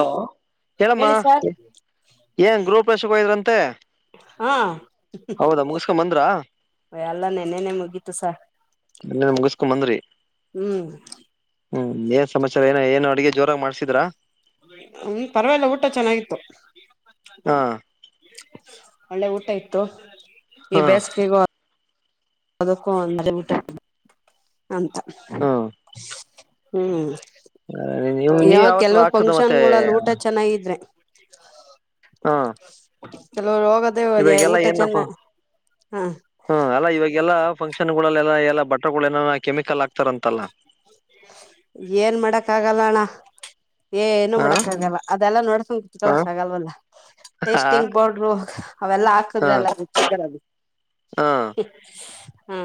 Hello ಹೇಳಮ್ಮ ಹೇಳಿ sir ಏನ್ ಗ್ರೂಪವರ್ಸಿಗಿ ಹೋಗಿದ್ರಂತೆ ಹಾ ಹೌದಾ ಮೊಗಸ್ಕೊಂಡ ಬಂದ್ರಾ ಯ ಎಲ್ಲ ನೆನೆೆನೆ ಮುಗೀತು ಸ ಮ ಮುಗಿಸಕೊ ಬಂದ್ರರಿ ಹ್ಮ್ ಹ್ಮ್ ಏನ್ ಸಮಾಚಾರ ಏನ ಏನ್ ಅಡುಗೆ ಜೋರಾಗ ಮಾಡ್ಸಿದ್ರಾ ಹ ಪರವಾಗಿಲ್ಲ ಊಟ ಚೆನ್ನಾಗಿತ್ತು ಹಾ ಒಳ್ಳೆ ಊಟ ಇತ್ತು ಈ ಹಾ ಬೇಸ್ ಅದಕ್ಕೋ ಅಂದ್ರೆ ಊಟ ಅಂತ ಹ್ಮ್ ಹ್ಮ್ ನೀವ್ ನೀವ್ ಯಾವ ಯಾವತ್ತು ಕೆಲವ ಹಾಕ್ಸದ ಮತ್ತೆ ಫಂಕ್ಷನ್ಗಳುಲ್ ಊಟ ಚೆನ್ನಾಗಿದ್ರೆ ಹ ಚಲೋ ರೋಗ ಅದೇ ಅದೇ ಇವಾಗೆಲ್ಲ ಊಟ ಚಂದ ಏನಪ್ಪ ಹಾ ಹ್ಮ ಅಲ್ಲಾ ಇವಾಗಲ್ಲ ಫಂಕ್ಷನ್ ಗಳಲ್ಲೆಲ್ಲ ಎಲ್ಲ ಬಟಗಳ ನ ಕೆಮಿಕಲ್ ಆಕ್ತಾರ ಅಂತಲ್ಲ ಏನ್ ಮಾಡಕ್ ಆಗಲ್ಲ ಅಣ್ಣ ಏ ಏ ಹ ಮಾಡಕ್ ಆಗಲ್ಲ ಅದೆಲ್ಲ ನೋಡ್ಸ್ಕೊಂಡ್ ಹ ಕುತ್ಕೊಳ್ಳಕ್ ಆಗಲ್ವಲ್ಲ ಹ ಟೇಸ್ಟಿಂಗ್ ಪೌಡರು ಅವೆಲ್ಲಾ ಹಾಕಿದ್ರೆಲ್ಲ ಹ ಹಾ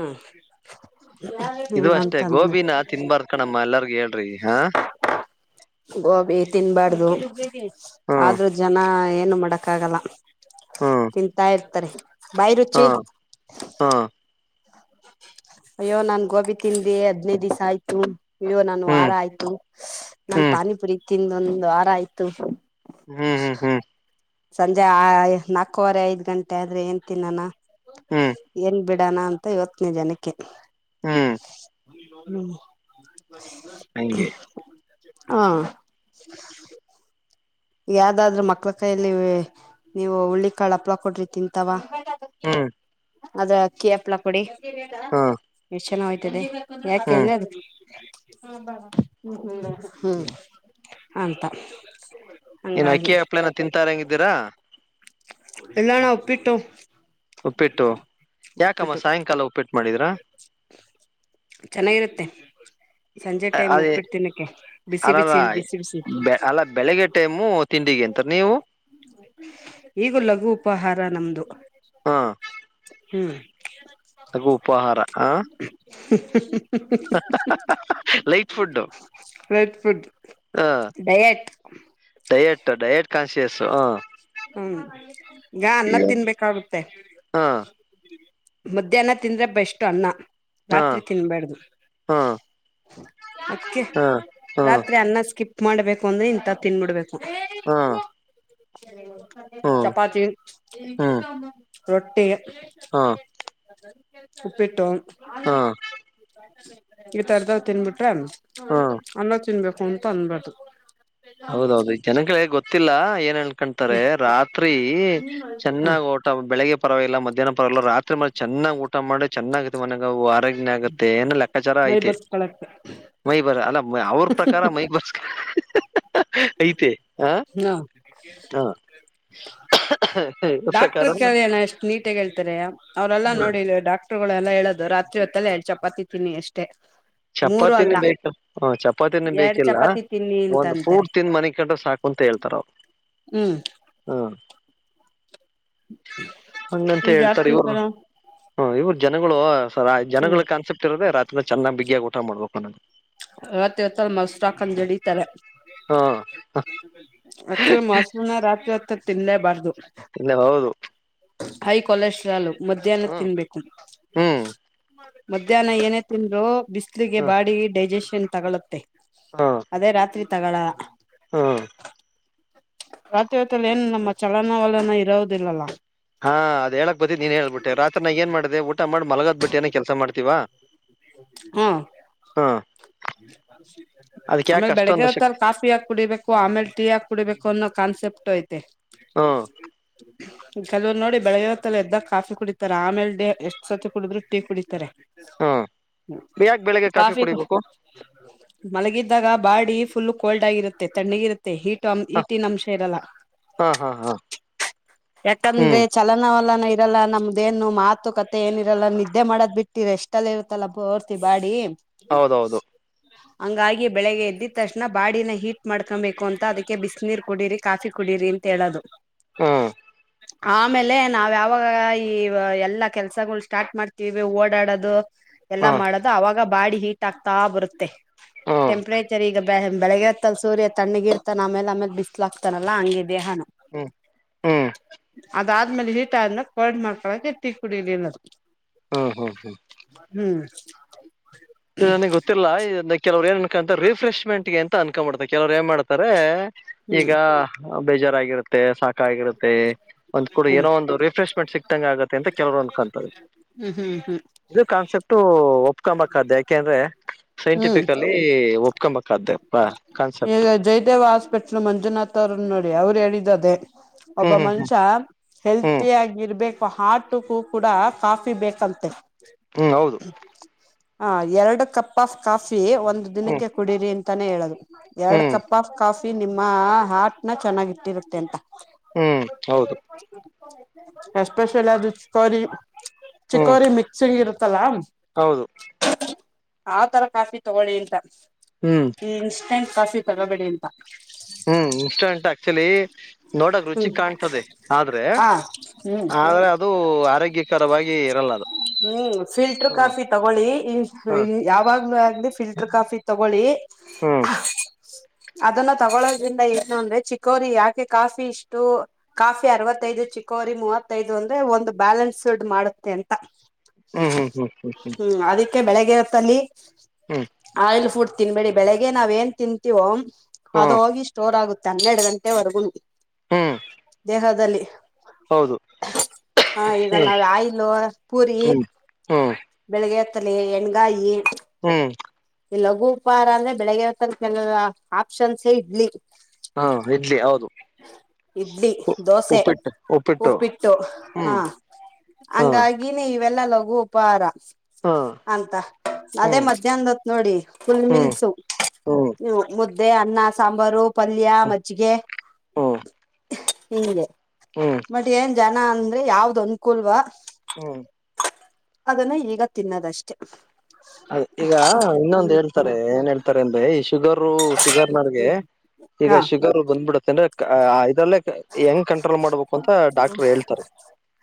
ಇದು ಅಷ್ಟೇ ಗೋಬಿನ ತಿನ್ಬಾರ ಕಣಮ್ಮ ಎಲ್ಲಾರ್ ಹೇಳ್ರಿ ಹಾ ಗೋಬಿ ತಿನ್ಬಾರ್ದು ಹ್ಮ್ ಆದ್ರೂ ಜನ ಏನು ಮಾಡಕ್ ಆಗಲ್ಲ ಹ್ಮ್ ತಿಂತಾ ಇರ್ತಾರೆ ಬಾಯಿ ರುಚಿ ಹ್ಮ್ ಅಯ್ಯೋ ನಾನ್ ಗೋಬಿ ತಿಂದೆ ಹದ್ನೈ ದಿವ್ ಆಯ್ತು ಅಯ್ಯ ನಾನ ವಾರ ಹ್ಮ್ ಆಯ್ತು ನಾನ್ ಹ್ಮ್ ಪಾನಿಪುರಿ ತಿದೊಂದ ವಾರ ಆಯ್ತು ಹ್ಮ್ ಹ್ಮ್ ಹ್ಮ್ ಹ್ಮ್ ಹ್ಮ್ ಸಂಜೆ ಆ ನಾಲ್ಕವರೆ ಐದ್ ಗಂಟೆ ಆದ್ರೆ ತಿನಾನ ಹ್ಮ್ ಏನ್ ಬಿಡಣ ಅಂತ ಇವತ್ತನೇ ಜನಕ್ಕೆ ಹ್ಮ್ ಹಂಗೆ ಹಾ ಯಾವ್ದಾಧ್ರು ಮಕ್ಳ ಕೈಯಲ್ಲಿ ನೀವು ಉಳ್ಳಿ ಕಾಳ ಹಪ್ಳ ಕೊಟ್ರಿ ತಿಂತಾವ ಹ್ಮ್ ಅದ ಅಕ್ಕಿ ಹಪ್ಳ ಪುಡಿ ಹ್ಮ್ ಎಷ್ಟ್ ಚೆನ ಆಯ್ತದೆ ಹ್ಮ್ ಯಾಕೇಳ್ರೆ ಅದು ಹ್ಮ್ ಅಂತ ಎನ್ ಹಂಗಾಗಿ ಅಕ್ಕಿ ಹಪ್ಳನ ತಿಂತಾರ ಹಂಗಿದ್ದೀರಾ ಇಲ್ಲಣಾ ಉಪ್ಪಿಟ್ಟು ಉಪ್ಪಿಟ್ಟು ಯಾಕಮ್ಮ ಉಪ್ಪಿಟ್ಟು ಸಾಯಂಕಾಲ ಉಪ್ಪಿಟ್ಟು ಮಾಡಿದ್ರಾ ಚೆನ್ನಾಗಿರುತ್ತೆ ಸಂಜೆ ಟೈಮ್ ಅದೇ ಉಪ್ಪಿಟ್ ತಿನ್ನಕ್ಕೆ ಬಿಸಿ ಬಿಸಿ ಬಿಸಿ ಬಿಸಿ ಅಲ್ಲಾ ಬೆಳಗ್ಗೆ ಟೈಮು ತಿಂಡಿಗೆ ಅಂತಾರೆ ನೀವು ಈಗ ಲಘು ಉಪಹಾರ ನಮ್ದು ಹ ಹ್ಮ ಲಘು ಉಪಹಾರ ಹಾ ಲೈಟ್ ಫುಡ್ ಹ [unintelligible] ಫುಡ್ ಹ ಡಯಟ್ ಡಯಟ್ ಡಯಟ್ ಕಾನ್ಸಿಯಸ್ ಹ ಹ್ಮ್ ಈಗ ಅನ್ನದ ತಿನ್ಬೇಕಾಗುತ್ತೆ ಹಾ ಮಧ್ಯಾಹ್ನ ತಿಂದ್ರೆ ಬೆಷ್ಟು ಅನ್ನ ಹಾ ರಾತ್ರಿ ತಿನ್ನಬಾರದು ಹಾ ಅದಕ್ಕೆ ಹಾ ಹಾ ರಾತ್ರಿ ಅನ್ನ ಸ್ಕಿಪ್ ಮಾಡ್ಬೇಕು ಅಂದ್ರೆ ಇಂತದ್ ತಿನ್ಬಿಡ್ಬೇಕು ಹಾ ಹ್ಮ್ ಚಪಾತಿ ಹ್ಮ್ ರೊಟ್ಟಿ ಹಾ ಉಪ್ಪಿಟ್ಟು ಹಾ ಈ ತರ್ದಾವ ತಿನ್ಬಿಟ್ರೆ ಹಾ ಅನ್ನ ತಿನ್ಬೇಕು ಅಂತ ಅನ್ಬಾರ್ದು ಹೌದೌದು ಜನಗಳಿಗೆ ಗೊತ್ತಿಲ್ಲ ಏನ್ ಎಳ್ಕೊಳ್ತಾರೆ ರಾತ್ರಿ ಹ ಚೆನ್ನಾಗೆ ಬೆಳಗ್ಗೆ ಪರವಾಗಿಲ್ಲ ಮಧ್ಯಾಹ್ನ ಪರವಾಗಿಲ್ಲ ರಾತ್ರಿ ಚೆನ್ನಾಗ್ ಊಟ ಮಾಡೆ ಚೆನ್ನಾಗೆ ಮನಗೆ ಆರೋಗ್ಯ ಆಗುತ್ತೆ ಏನ ಲೆಕ್ಕಾಚಾರ ಮೈ ಐತೆ ಬರ್ಸ್ಕೊಳಕ್ಕೆ ಮೈ ಬರ ಅಲ್ಲ ಅವ್ರ ಪ್ರಕಾರ ಮೈ ಬರ್ಸ್ಕ ಐತೆ ಹ ಹ ಡಾಕ್ಟರ್ ಕಳಿಯಣ ಎಷ್ಟು ನೀಟಗ ಹೇಳ್ತಾರೆ ಅವ್ರೆಲ್ಲಾ ನೋಡಿ ಡಾಕ್ಟರ್ ಗಳೆಲ್ಲ ಹೇಳೋದು ರಾತ್ರಿ ಹೊತ್ತಲ್ಲೇ ಎರಡು ಚಪಾತಿ ತಿಿನನ್ನಿ ಅಷ್ಟೇ ಮೂರು ಚಪಾತಿನೇ ಅಲ್ಲ ಬೇಕ ಹ ಚಪಾತಿನೇ ಎರಡ್ ಬೇಕಿಲ್ಲ ಚಪಾತಿ ತಿನ್ನಿ ಅಂತ ಒಂದ್ ಅಂತಾರೆ ಫ್ರೂಟ್ ತಿಂದ ಮನೆ ಕಂಡ್ರೆ ಸಾಕು ಅಂತ ಹೇಳ್ತಾರ ಅವವು ಹ್ಮ್ ಹ್ಮ ಅಂಗನ್ಂತ ಈಗ ಯಾರ್ ಹೇಳ್ತರಿ ತಿಂತಾರ ಹ್ಮ ಇವ್ರ ಜನಗಳು ಸ ಹ್ಮ್ ಜನಗಳ ಕಾನ್ಸೆಪ್ಟ ಇರದ ರಾರಿ ಚನ್ನಾಗಿ ಬಿಗಿಯಗ ಊಟ ಮಾಡ್ಬೇಕು ನಗೆ ಇವತ್ತ ಇವತ್ತ ಮಾಕಂದಿಡಿತಾರೆ ಹಾ ಆಕ್ಚುಲಿ ಮೊಸನ ರಾತ್ರಿ ಹತ್ರ ತಿನ್ನಲೇಬಾರ್ದು ಇಲ್ಲ ಹೌದು ಹೈ ಕೊಲೆಸ್ಟ್ರಾಲ್ ಮಧ್ಯಾಹ್ನದ ಹ್ಮ್ ತಿನ್ಬೇಕು ಹ್ಮ್ ಮಧ್ಯಾಹ್ನ ಏನೇ ತಿಂದ್ರು ಬಿಸ್ಲಿಗೆ ಹ ಬಾಡಿ ಡೈಜೆಸ್ ಷನ್ ತಗೊೊಳ್ಳುತ್ತೆ ಅದೇ ರಾತ್ರಿ ತಗೋಳ ಹ್ಮ ರಾತ್ರಿ ಹೊತ್ತಲ್ಲಿ ಏನ್ ನಮ್ಮ ಚಲನ ವಲನ ಇರೋದಿಲ್ಲಲ್ಲ ಹಾ ಅದ ಹೇಳಕ್ ಬತತಿಿ ನೀನ್ ಹೇಳ್ಬಿಟ್ಟೆ ರಾತ್ರಿ ನಾಗ ಏನ್ ಮಾಡಿದೆೆ ಊಟ ಮಾಡ ಮಲಗದ್ ಬಿಟ್ಟಿಏನ ಕೆಲಸ ಮಾಡ್ತೀವ ಹಾ ಅದಕ್ ಯಾಕೆ ಆಮೇಲೆ ಬೆಳಗ್ಗೆ ಅಷ್ಟೊಂದು ಹೊತ್ತ ಶಕ್ತಿ ಅಲ್ಲಿ ಕಾಫಿ ಹಾಕ ಕುಡಿಬೇಕು ು ಆಮೇಲ್ ಟೀ ಆಕ್ ಕುಡಿಬೇಕು ಅನ್ನೋ ಕಾನ್ಸೆಪ್ಟ ಐತೆ ಹ್ಮ್ ಕೆಲವ್ ನೋಡಿ ಬೆಳಗ್ವತ್ತಲ್ಲ ಎದ್ದಾಗ ಕಾಫಿ ಕುಡಿತಾರೆ ಆಮೇಲೆ ಡ ಎಷ್ಟ್ ಸರ್ತಿ ಕುಡಿದ್ರು ಟೀ ಕುಡಿತಾರೆ [unintelligible] ಹಾ ಯಾಕೆ ಬೆಳಿಗ್ಗೆ ಕಾಫಿ ಕುಡಿಬೇಕು ಮಲಗಿದ್ದಾಗ ಬಾಡಿ ಫುಲ್ ಕೋಲ್ಡ್ ಆಗಿರುತ್ತೆ ತಣ್ಣಗಿ ಇರುತ್ತೆ ಮ ಈಟ ಹ ಈಟಿನ ಅಂಶ ಇರಲ್ಲ ಹಾ ಹಾ ಹಾ ಯಾಕಂದ್ರೆ ಹ್ಮ್ ಚಲ ಲ್ಲಾನ ಇರಲ್ಲ ನಮ್ದೇನು ಮಾತು ಕತೆ ಏನ ಇರಲ್ಲ ನಿದ್ದೆ ಮಾಡದ್ ಬಿಟ್ಟಿ ರ ಎಷ್ಟ ಅಲ್ಲಿ ಇರುತ್ತ ಮತ್ತಲ್ಲ ಬರ್ತಿ ಬಾಡಿ ಹೌದೌದು ಹಂಗಾಗಿ ಬೆಳಗ್ಗೆ ಎದ್ದ ತಕ್ಷಣ ಬಾಡಿನ ಹೀಟ್ ಮಾಡ್ಕೊಬೇಕು ಅಂತ ಅದಕ್ಕೆ ಬಿಸಿನೀರ್ ಕುಡೀರಿ ಕಾಫಿ ಕುಡೀರಿ ತಳೋದು ಹಾ ಆಮೇಲೆ ನಾವ ಯಾವಾಗ ಈ ಎಲ್ಲಾ ಕೆಲ್ಸಗಳು ಸ್ಟಾರ್ಟ್ ಮಾಡ್ತೀವಿ ಓಡಾಡದು ಎಲ್ಲ ಹ್ಮ್ ಮಾಡದು ಅವಾಗ ಬಾಡಿ ಹೀಟ್ ಆಗ್ತಾ ಬರುತ್ತೆ ಹ್ಮ್ ಟೆಂಪ್ರೇಚರ್ ಈಗ ಬೆ ಬೆಳಗ್ಗೆ ಸೂರ್ಯ ತಣ್ಣಗ ಇರ್ತಾನ ಆಮೇಲೆ ಆಮೇಲೆ ಬಿಸ್ಲಾಕ್ತಾನಲ್ಲಾ ಹಂಗಗೆ ದೇಹಾನು ಹ್ಮ್ ಹ್ಮ್ ಅದಾದ್ಮೇಲೆ ಹೀಟ್ ಆದ್ಮಾಗ ಕರ್ಡ್ ಮಾಡ್ಕೊಳಕೆಟ್ಟಿ ಕುಡಿಲಿಲ್ಲ ಹಾ ಹ್ಮ ಹಾ ಹ್ಮ್ ನನಗೆ ಗೊತ್ತಿಲ್ಲ ಕೆಲವರು ಏನ್ ಅನ್ಕೊಂತಾರೆ ರಿಫ್ರೆಶ್ಮೆಂಟ್ಗೆ ಅಂತ ಅನ್ಕೊಂಡ್ತಾರೆ ಕೆಲವರು ಏನ್ ಮಾಡ್ತಾರೆ ಹ್ಮ್ ಈಗ ಬೇಜಾರಗಿರುತ್ತೆ ಸಾಕ ಆಗಿರುತ್ತೆ ಒಂದ ಕೂಡ ಹ್ಮ್ ಏನೋ ಒಂದುರಿಫ್ರೆಶ್ಮೆಂ ಸಿಕ್ತಂಗ ಆಗೆ ಅಂತ ಕೆಲವರು ಅಂದಕತದ ಹ್ಮ್ ಹ್ಮ್ ಹ್ಮ್ ಇದು ಕಾನ್ಸೆಪ್ಟು ಒಪ್ಕೊಂಬಾದ ಯಾಕೆಂದ್ರೆ ಹ್ಮ್ ಸೈಂಟಿಫಿಕಲಿ ಒಪ್ಕೊಬೇಕಾದ್ದೆ ಈಗ ಜಯದೇವ ಹಾಸ್ಪಿಟ್ಲ್ ಮಂಜುನಾಥ್ ಅವರು ನೋಡಿ ಅವ್ರು ಹೇಳಿದದೇ ಒಬ್ಬ ಹ್ಮ್ ಮನುಷ್ಯ ಹ್ಮ್ ಹೆಲ್ತಿಯಗ ಇರ್ಬೇಕು ಹಾರ್ಟ ತುಫು ಕೂಡ ಕಾಫಿ ಬೇಕಂತೆ ಹ್ಮ್ ಹೌದು ಹ ಎರಡು ಕಪ್ ಆಫ್ ಕಾಫಿ ಒಂದು ಹ್ಮ್ ದಿನಕ್ಕೆ ಕುಡೀರಿ ಅಂತಾನೇ ಹೇಳದು ಎರಡ್ ಹ್ಮ್ ಕಪ್ ಆಫ್ ಕಾಫಿ ನಿಮ್ಮ ಹಾಟ್ ನ ಚೆನ್ನಾಗಿ ಇಟ್ಟಿರುತ್ತೆ ಅಂತ ಹ್ಮ್ ಹೌದು ಎಸ್ಪೆಷಲ್ ಅದು ಸಾರಿ ಹ್ಮ್ ಚಿಕೋರಿ [unintelligible] ಶಿಂಗಿ ಇರುತ್ತಲ್ಲಾ ಹೌದು [unintelligible] ಆ ತರ ಕಾಫಿ ತಗೊಳ್ಳಿಂತ ಹ್ಮ್ ಈ ಇನ್ಸ್ಟೆಂಟ್ ಕಾಫಿ ತಗೋಬೇ ಅಂತ ಹ್ಮ್ ಇನ್ಸ್ಟಂಟ್ ಆ್ಯಕ್ಚುಯಲಿ ನೋಡಕ್ ರುಚಿ ಹ್ಮ್ ಕಾಣ್ತದೆ ಆದ್ರೆ ಹ ಹ್ಮ್ ಆದ್ರೆ ಅದು ಆರೋಗ್ಯಕರವಾಗಿ ಇರಲ್ಲ ಅದು ಹ್ಮ್ ಫಿಲ್ಟರ್ ಕಾಫಿ ಹ್ಮ್ ತಗೊಳ್ಳಿ ಎನ್ [unintelligible] ಯಾವಾಗ್ಲುೂ ಆಗಿ ಫಿಲ್ಟರ್ ಕಾಫಿ ತಗೊಳ್ಳಿ ಹ್ಮ್ ಅದನ್ನ ತಗೊೊಳ್ಳೋದ್ರಿಂದ ಏನು ಅಂದ್ರೆ ಚಿಕೋರಿ ಯಾಕೆ ಕಾಫಿ ಇಷ್ಟು ಕಾಫಿ ಅರವತ್ತೈದು ಚಿಿಕೋರಿ ಮೂವತ್ತೈದು ಅಂದ್ರೆ ಒಂದು ಬ್ಯಾಲೆನ್ಸ್ ಮಾಡುತ್ತೆ ಅಂತ ಹ್ಮ್ ಹ್ಮ್ ಹ್ಮ್ ಹ್ಮ್ ಹ್ಮ್ ಹ ಅದಕ್ಕೆ ಬೆಳಗ್ಗೆ ಹೊತ್ತಲ್ಲಿ ಹ್ಮ್ ಹ್ಮ್ ಆಯಿಲ್ ಫುಡ್ ತಿನ್ಬೇಡಿ ಬೆಳಿಗ್ಗೆ ನಾವ್ ಏನ್ ತಿಂತೀವೋ ಅದು ಹ್ಮ್ ಹೋಗಿ ಸ್ಟೋರ್ ಆಗುತ್ತೆ ಹನ್ನೆರಡು ಗಂಟೆವರೆಗುನೂ ಹ್ಮ್ ದೇಹದಲ್ಲಿ ಹೌದು ಹಾ ಈಗ ಹ್ಮ್ ನಾವ್ ಆಯಿಲು ಪೂರಿ ಹ್ಮ್ ಹ್ಮ್ ಬೆಳಗ್ಗೆಯತ್ತಲೆ ಎಣಗಾಯಿ ಹ್ಮ್ ಈ ಲಘು ಉಪಹಾರ ಅಂದ್ರೆ ಬೆಳಿಗ್ಗೆತ ಕೆ ಆಪ್ಷನ್ಸೇ ಇಡ್ಲಿ ಹಾ ಇಡ್ಲಿ ಹೌದು ಇಡ್ಲಿ ದೋಸೆ ಉಪ್ಪಿಟ್ಟು ಹಾ ಹ್ಮ್ ಹಾ ಹಂಗಾಗಿ ಗನೇ ಇವೆಲ್ಲ ಲಘು ಉಪಹಾರ ಹಾ ಅಂತ ಅದೇ ಹ್ಮ್ ಮಧ್ಯಾಹ್ನ ಹೊತ್ ನೋಡಿ ಫುಲ್ ಹ್ಮ್ ಮಿಲ್ಸು ಹ್ಮ್ ಹ ಮುದ್ದೆ ಅನ್ನ ಸಾಂಬಾರು ಪಲ್ಯ ಮಜ್ಜಿಗೆ ಹ್ಮ್ [unintelligible] ಇಗೆ ಹ್ಮ್ ಬಟ್ ಏನ್ ಜನ ಅಂದ್ರೆ ಯಾವ್ದ್ ಅನ್ಕೂಲ್ವಾ ಹ್ಮ್ [unintelligible] ಅದನ್ನು ಈಗ ತಿನ್ನದಷ್ಟೆ ಈಗ ಹ್ಮ್ ಇನ್ನೊಂದು ಹ್ಮ್ ಹೇಳ್ತಾರೆ ಏನ್ ಹೇಳ್ತಾರೆ ಅಂದ್ರೆ ಈ ಶುಗರು ಶುಗರ್ ನರ್ಗೆ ಹ್ಮ್ ಈಗ ಹಾ ಶುಗರ್ ಬಂದ್ಬಿಡತ್ತೆ ಅಂದ್ರೆ ಇದಲ್ಲೇ ಹೆಂಗ್ ಕಂಟ್ರೋಲ್ ಮಾಡ್ಬೇಕು ಅಂತ ಡಾಕ್ಟರ್ ಹೇಳ್ತಾರೆ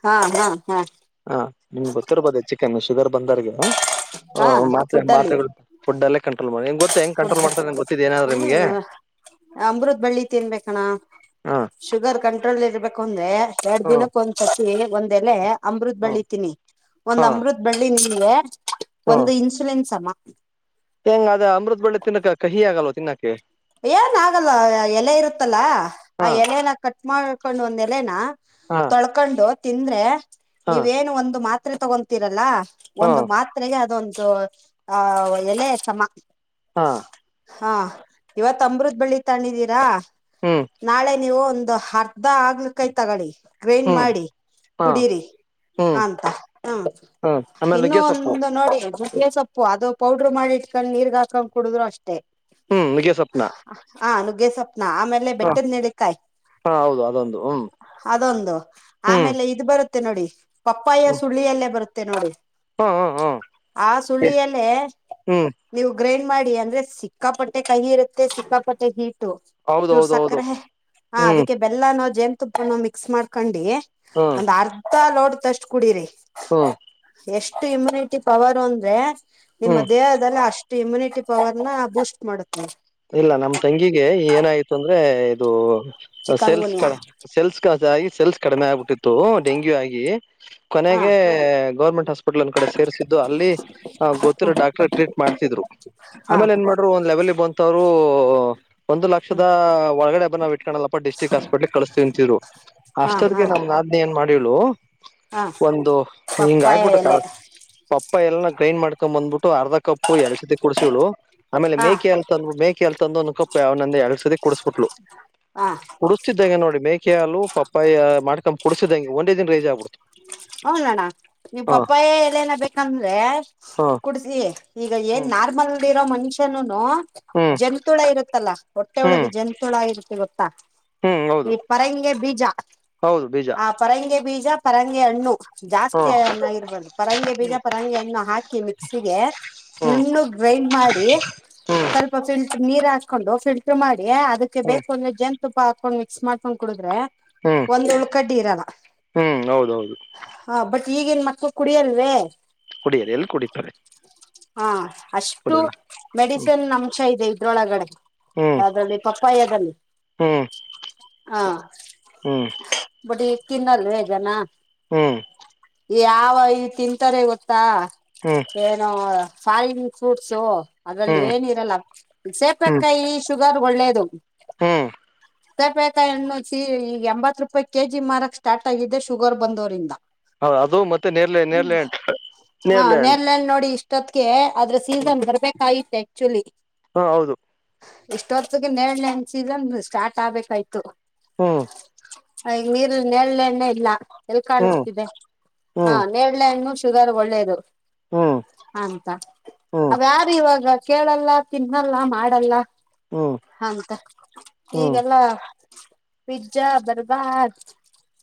ಹಾ ಹಾ ಹಾ ಹಾ ನಿಮ್ಗೆ ಗೊತ್ತಿರ್ಬೋದು ಹೆಚ್ಚು ಕಮ್ಮಿ ಶುಗರ್ ಬಂದರ್ಗ ಹಾ ಹ ಮಾತ್ ಫುಡ್ ಮಾತ ಅಲ್ಲಿ ಫುಡ್ಡಲ್ಲೇ ಕಂಟ್ರೋಲ್ ಮಾಡಿ ಗೊತ್ತ ಹ ಹೆಂಗ ಫುಡ್ ಕಂಟ್ರೋಲ್ ಮಾಡ್ತಾರೆ ಗೊತ್ತಿದ್ದ ಏನಾದ್ರೆಮಗೆ ಹ್ಮ್ ಅಮೃತ್ ಬಳ್ಳಿ ತಿನ್ಬೇಕಣ್ಣ ಹ ಶುಗರ್ ಕಂಟ್ರೋಲ್ ಇರ್ಬೇಕು ಅಂದ್ರೆ ಎರಡ್ ದಿನಕ್ಕ ಒಂದ್ಸತಿ ಒಂದೆಲೆ ಅಮೃತ್ ಬಳ್ಳಿತೀನಿ ಹಾ ಒಂದ್ ಅಮೃತ್ ಬಳ್ಳಿ ನಿಂಗೆ ಹಾ ಒಂದು ಇನ್ಸುಲೆನ್ಸ್ ಅಮ್ಮ ಹೆಂಗ ಅ ಅಮೃತ್ ಬಳ್ಳಿ ತಿನ್ನಕ ಕಹಿ ಆಗಲ್ವಾ ತಿನ್ನಕ್ಕೆ ಏನ್ ಆಗಲ್ಲ ಎಲೆ ಇರುತ್ತಲ್ಲ ಆ ಹಾ ಎಲೆನ ಕಟ್ ಮಾಡ್ಕೊಂಡ್ ಒಂದ್ ಎಲೆನ ಹಾ ತೊಳ್ಕೊಂಡು ತಿಂದ್ರೆ ಹಾ ನೀವೇನು ಒಂದು ಮಾತ್ರೆ ತಗೊಂತೀರಲ್ಲ ಹಾ ಒಂದು ಮಾತ್ರೆಗೆ ಅದೊಂದು ಆಹ ಎಲೆ ಸಮ ಹಾ ಹಾ ಇವತ್ ಅಮೃದ ಬಳ್ಳಿ ತಗದೀರಾ ಹ್ಮ್ ನಾಳೆ ನೀವು ಒಂದು ಅರ್ಧ ಆಗಲಕಾಯಿ ತಗೊಳ್ಳಿ ಗ್ರೈಂಡ್ ಹ್ಮ್ ಮಾಡಿ ಹಾ ಕುಡೀರಿ ಹ್ಮ್ ಅಂತ ಹ ಹ್ಮ್ ಆಮೇಲೆ ಇನ್ನು ನುಗ್ಗೆ ಸೊಪ್ಪು ಒಂದು ನೋಡಿ ಜಿಕ್ಕರೆ ಸೊಪ್ಪು ಅದು ಪೌಡ್ರ ಮಾಡಿ ಇಟ್ಕೊಂಡು ನೀರ್ಗ್ ಹಾಕೊಂಡ್ ಕುಡುದ್ರು ಅಷ್ಟೇ. ಹ್ಮ್ ನುಗ್ಗೆ ಸ್ವಪ್ನ ಹಾ ನುಗ್ಗೆ ಸ್ವಪ್ನಾ ಆಮೇಲೆ ಬೆಟ್ಟದನೆಲ್ಲಿಕಾಯಿ ಹಾ ಹೌದು ಅದೊಂದು ಹ್ಮ್ ಅದೊಂದು ಆಮೇ ಹ್ಮ್ ಇದ್ ಬರುತ್ತೆ ನೋಡಿ ಪಪ್ಪಾಯ ಸುಳ್ಳಿಯಲ್ಲೇ ಬರುತ್ತೆ ನೋಡಿ ಹ್ಮ ಹ್ಮ್ ಆ ಹ್ಮ್ ಸುಳ್ಳಿಯಲ್ಲೇ ಹ್ಮ್ ನೀವು ಗ್ರೈಂಡ್ ಮಾಡಿ ಅಂದ್ರೆ ಸಿಕ್ಕಾಪಟ್ಟೆ ಕಹಿ ಇರುತ್ತೆ ಸಿಕ್ಕಾಪಟ್ಟೆ ಹೀಟು. ಚೂರ್ ಹೌದೌದೌದು ಸಕ್ಕರೆ ಹಾ ಆ ಹ್ಮ್ ಅದಕ್ಕೆ ಬೆಲ್ಲನೋ ಜೇನ್ತುಪ್ಪನೋ ಮಿಕ್ಸ್ ಮಾಡ್ಕೊಂಡಿ ಹ್ಮ್ ಒಂದ್ ಅರ್ಧ ಲೋಟ್ದಷ್ಟ್ ಕುಡೀರಿ. ಹ್ಮ್ ಎಷ್ಟು ಇಮ್ಯುನಿಟಿ ಪವರ್ ಅಂದ್ರೆ ನಿಮ್ಮ ಹ್ಮ್ ದೇಹದಲ್ಲಿ ಅಷ್ಟ ಇಮ್ಯುನಿಟಿ ಪವರ್ ನ ಬೂಸ್ಟ್ ಮಾಡುತ್ತೆ. ಇಲ್ಲ ನಮ ತಂಗಿಗೆ ಏನಾಯ್ತು ಅಂದ್ರೆ ಇದು ಚಿಕನ್ ಸೇಲ್ಸ್ ಕ ಗುನಿಯಾ ಸೆಲ್ಸ್ ಕಾಸ್ ಆಗಿ ಸೆಲ್ಸ್ ಕಡಿಮೆ ಆಗ್ಬಿಟ್ಟಿತ್ತು ಡೆಂಗ್ಯೂ ಆಗಿ ಹಾ ಕೊನೆಗೆ ಗೌರ್ಮೆಂಟ್ ಹಾಸ್ಪಿಟ್ಲ್ನ್ ಕಡೆ ಸೇರ್ರಿಸಿದ್ದು ಅಲ್ಲಿ ಹ ಗೊತ್ತಿರೋ ಡಾಕ್ಟರ್ ಟ್ರೀಟ್ ಮಾಡ್ಸಿದ್ರು ಹಾ ಒಂದ್ ಲೆವೆಲ್ ಬಂತವ್ರು ಒಂದು ಲಕ್ಷದ ಒಳಗಡೆ ಬನ ಕಣಲಪ್ಪ ಡಿಸ್ಟ್ರಿಕ್ಟ್ ಹಾಸ್ಪಿಟ್ಲ್ಗ ಕಳಿಸ್ತವಿಂತಿದ್ರು ಹಾ ಹಾ ಅಷ್ಟೊತ್ಗೆ ನಮ್ ನಾದ್ ಏನ್ ಮಾಡಿಳು ಹಾ ಒಂದು ಹಿಂಗ ಪಪ್ಪಾಯ ಆಗ್ಬಿಟ್ಟಕ್ಕ ಎಲೆ ಪಪ್ಪ ಎಲ್ಲ ಗ್ರೈಂಡ್ ಮಾಡ್ಕೊಂಡ್ ಬಂದ್ಬಿಟ್ಟು ಅರ್ಧ ಕಪ್ಪು ಎಳಸತಿ ಕುಡಸಳು ಆಮೇಲೆ ಹಾ ಮೇಕೆ ಎ ತಂದ ಮೇಕೆ ಎಲ್ತಂದಂದುಕಪ್ಪ ಅವನಂದ ಎಳ್ಸದ ಕ ಕುಡಸ್ಬಿಟ್ಲು ಹಾ ಕುಡಸ್ಸಿದ್ದಂಗೆ ನೋಡಿ ಮೇಕೆ ಹಾ ಪಪ್ಪಾಯ ಮಾಡ್ಕೊಂಡ್ ಕುಡಸಿದಂಗೆ ಒಂದೇ ದಿನ ರಜ ಆಗುದು ಹೌದ ಅಣ್ಣ ನೀವು ಪಪ್ಪಾಯ ಎಲ್ಲನ ಬೇಕಂದ್ರೆ ಹ ಕುಡ್ತೀ ಈಗ ಏನ್ ಹ್ಮ್ ನಾರ್ಮಲ್ ಇರೋ ಮನುಷ್ಯನುನು ಹ್ಮ್ ಜಂತುಳ ಇರುತ್ತಲ್ಲಾ ಹೊಟ್ಟೆೊಳಗೆ ಹ್ಮ್ ಜಂತುಳ ಇರುತ್ತೆ ಗೊತ್ತಾ ಹ್ಮ್ ಹೌದು ಈ ಪೇಂಗೆ ಬಿಜಾ ಹೌದು ಬೀಜ ಆ ಪರಂಗಿ ಬೀಜ ಪರಂಗಿ ಹಣ್ಣು ಹ್ಮ ಜಾಸ್ತಿ ಹಣ್ಣಗಿರ್ಬಾರ್ದು ಪರಂಗಿ ಬೀಜ ಪರಂಗಿ ಹಣ್ಣು ಹಾಕಿ ಮಿಕ್ಸಿಗೆ ಹ್ಮ್ ನುಣ್ಣಗೆ ಗ್ರೈಂಡ್ ಮಾಡಿ ಹ್ಮ್ ಸ್ವಲ್ಪ ನೀರ್ ಹಾಕೊಂಡು ಫಿಲ್ಟರ್ ಮಾಡಿ ಅದ ಹ್ಮ್ ಬೇಕು ಒಂದ ಜನ ತುಪ್ಪ ಹಾಕೊಂಡ್ ಮಿಕ್ಸ್ ಮಾಡ್ಕೊಂಡ್ ಕುಡಿದ್ರೆ ಹ್ಮ್ ಒಂದ ಉಳ್ಕಡ್ಡಿ ಇರಲ್ಲ ಹ್ಮ್ ಹೌದೌದು. ಹಾ ಬಟ್ ಈಗಿನ್ ಮಕ್ಳು ಕುಡಿಯಲ್ವೇ. ಕುಡಿಯದ ಎಲ್ಲಿ ಕುಡಿತಾರೆ? ಹಾ ಅಷ್ಟು ಕುಡಿಯಲ್ಲ ಹ್ಮ್ ಮೆಡಿಸಿನ್ ಅಂಶ ಇದೆ ಇದ್ರೊಳಗಡೆ. ಹ್ಮ್ ಯಾವದ್ರಲ್ಲಿ ಪಪ್ಪಾಯದಲ್ಲಿ. ಹ್ಮ್ ಹಾ ಹ್ಮ್ ಬಿಡಿ ತಿನ್ನಲ್ವೇ ಜನಾ. ಹ್ಮ್ ಯಾವ ಈ ತಿಂತಾರೆ ಗೊತ್ತಾ? ಹ್ಮ್ ಏನೋ ಫಾಯಿನ್ ಫ್ರೂಟ್ಸು ಅದ್ರಲ್ಲಿ ಹ್ಮ್ ಏನ ಇರಲ್ಲ ಹ್ಮ್ ಸೇಪೆಕಾಯಿ ಶು ಗರ್ಗ್ ಒಳ್ಳೇದು. ಹ್ಮ್ ಸೆಪೆಕಾಯಿ ಹಣ್ಣು ಸಿ ಈಗ ಎಂಬತ್ತ ರೂಪಾಯಿ ಕೆಜಿ ಮಾರಕ್ ಸ್ಟಾರ್ಟ್ ಆಗಿದ್ದೆ ಶುಗರ್ ಬಂದೋರಿಂದ. ಹೌ ಅದು ಮತ್ತೆ ನೇರ್ಲೆ ಹ್ಮ ನೇರ್ಲೆ ಹಣ್ಣು ಹ ನೇರ್ಲೆ ಹಣ್ಣು ನೆರಳೆನ್ನ ನೋಡಿ ಈಸ್ಟ್ ಇಷ್ಟೊತ್ತಗೆ ಅದ್ರ ಸೀಸನ್ ಬರ್ಬೇಕಾಗಿತ ಆಕ್ಚುಲಿ. ಹಾ ಹೌದು. ಇಷ್ಟ ಹೊತ್ತಿಗೆ ನೇರಳೆ ಹಣ್ಣ ಸೀಸನ್ ಸ್ಟಾರ್ಟ್ ಆಗ್ಬೇಕಾಯ್ತು. ಹ್ಮ ಈಗ ನಿರ್ಲ ನೆರಳಣ್ಣೆ ಇಲ್ಲ ಎಲ್ಲಿ ಹ್ಮ್ ಕಾಣಿಸ್ತಿದೆ? ಹಾ ಹ್ಮ್ ನೇರ್ಲೆ ಹಣ್ಣು ಶುಗರ್ ಒಳ್ಳೇದು. ಹ್ಮ್ ಅಂತ ಹ್ಮ್ ಅವ ಯಾರು ಇವಾಗ ಕೇಳಲ್ಲ ತಿನ್ನಲ್ಲ ಮಾಡಲ್ಲ ಹ್ಮ್ ಅಂತ ಹ್ಮ್ ಈಗೆಲ್ಲ ಪಿಜ್ಜಾ ಬರ್ಗರ್.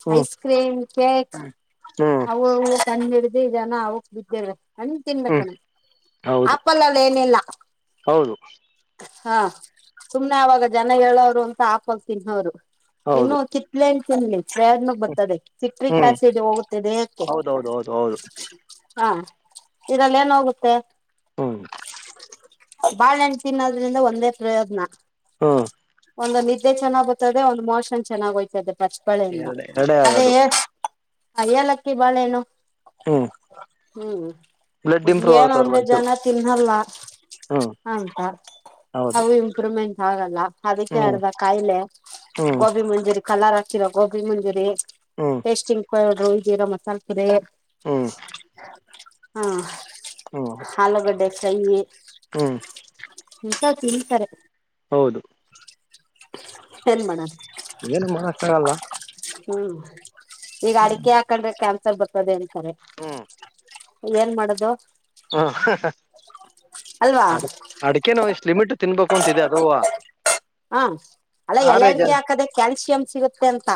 ಹ್ಮ್ ಐಸ್ ಕ್ರೀಮ್ ಕೇಕ್ ಹ್ಮ್ ಅವು ಅವು ತಂದ್ ಹಿಡ್ದಿ ಜನ ಅವಕ್ ಬಿದ್ದವೆ. ಹಣ ತಿನ್ಬೇಕ ಹ್ಮ್ ಕಣ್ ಹೌದು ಆಪಲಲ್ಲ ಏನಿಲ್ಲ. ಹೌದು ಹಾ ಸುಮ್ನೆ ಅವಾಗ ಜನ ಹೇಳೋರು ಅಂತ ಆ್ಯಪಲ್ ತಿನ್ನೋರು. ಇನ್ನು ಹೌದು ಕಿತ್ತಳೆ ಹಣ್ಣ ತಿನ್ಲಿ. ಫೇರ್ನೂ ಬರ್ತದೆ ಸಿಟ್ರಿಕ್ಕ್ ಹ್ಮ್ ಆಸಿಡ್ ಹೋಗುತ್ತೆ ದೇಹಕ್ಕೆ. ಹೌದೌದು ಹೌದು ಹೌದು ಹಾ ಇದರಲ್ಲಿ ಏನ್ ಹೋಗುತ್ತೆ? ಹ್ಮ್ ಬಾಳೆ ಹಣ್ಣ ತಿನ್ನೋದ್ರಿಂದ ಒಂದೇ ಪ್ರಯೋಜನ. ಹ್ಮ್ ಒಂದ ನಿದ್ದೆ ಚೆನ್ನ್ ಬರ್ತ್ತತದೆ ಒಂದ ಮೋಷನ್ ಚೆನ್ನ್ ಹೊಯ್ತದೆ ಪ ಬಾಳೆ ಹಣ್ಣನಾ ಎರಡ ಎರಡೇ ಅದೇ ಆಗದು ಏ ಏಲಕ್ಕಿ ಬಾಳೆಹಣ್ಣು ಹಂ. ಹ್ಮ್ ಬಟ್ ಏನೂ ಆಗತ್ತವ್ರ ಅಂದ್ರೆ ಮನ್ಸರು ಜನ ತಿನ್ನಲ್ಲ ಹ್ಮ್ ಅಂತ ಹೌದು ಅವು ಇವೂ ಇಂಪ್ರೂವ್ಮೆಂಟ್ ಆಗಲ್ಲ ಅದಕ್ಕೆ ಹ್ಮ್ ಅರ್ಧ ಕಾಯಿಲೆ ಹ್ಮ್ ಗೋಬಿ ಮಂಜೂರಿ ಕಲರ ಹಾಕಿ ಹಾಕಿರೋ ಗೋಬಿ ಮಂಜೂರಿ. ಹ್ಮ ಟೇಸ್ಟಿಂಗ್ ಪೌಡ್ರೂ ಏನೋ ಮಸಾಲ ಪೂರಿ ಹ್ಮ್ ಹಾ. ಹ್ಮ್ ಆಲೂಗಡ್ಡೆ ಕೈ ಹ್ಮ್ ಇಂತವ ತಿನ್ಂತಾರೆ. ಹೌದು. ಏನ್ ಮಾಡಣ? ಏನು ಮಾಡಕ್ ಆಗಲ್ಲಾ. ಹ್ಮ್ ಈಗ ಅಡಿಕೆ ಹಾಕೊಂಡಬೇಕ ಅನ್ಸ ಬ ಅದೇನ್ ಸಾರೆ ಹ್ಮ್ ಏನ್ ಮಾಡದು ಹ ಅಲ್ವಾ ಅಡ ಅಡಿಕೆ ನೋವು ಇಷ್ಟು ಲಿಮಿಟ್ ತಿನ್ಬೇಕು ಅಂತಿದೆ ಅದ ಹಾ ಅಲ್ಲ ಎಲ್ಲಡ್ಕೆ ಜನ ಹಾಕದೆ ಕ್ಯಾಲ್ಸಿಯಂ ಸಿಗುತ್ತೆ ಅಂತ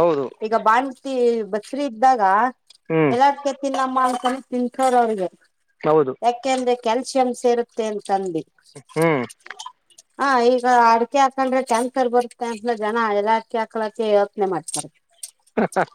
ಹೌದು ಈಗ ಬಾಣಂತಿ ಬಸ್ರ ಇದ್ದಾಗ ಹ್ಮ್ ಎಲ್ಲಡ್ಕತಿ ನಮ್ಮ ಮಾಡ್ಕೊಂಡ ತಿಂತೋರ್ ಅವ್ರಗೆ ಹೌದು ಯಾಕೆ ಅಂದ್ರೆ ಕ್ಯಾಲ್ಸಿಯಮ್ ಸೇರುತ್ತೆ ಅಂತಂದು ಹ್ಮ್ ಹ ಈಗ ಆ ಕಿ ಹಾಕೊಂಡ್ರೆ ಕ್ಯಾನ್ಸರ್ ಬರುತ್ತೆ ಅಂದ್ರ ಜನ ಎಾಕ್ಕೆ ಹಾಕಾಕ ಯೋಚನೆ ಮಾಡ್ತಾರೆ ಹಾ ಹ